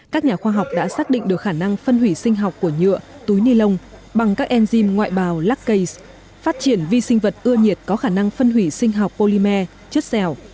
các nhà khoa học đã xác định được khả năng phân hủy sinh học của nhựa túi ni lông bằng các enzym ngoại bào lactase phát triển vi sinh vật ưa nhiệt có khả năng phân hủy sinh học polymer chất dẻo